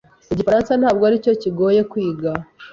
Igifaransa ntabwo aricyo kigoye kwiga.